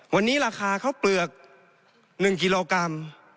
วันนี้ราคาข้าวเปลือก๑กิโลกรัม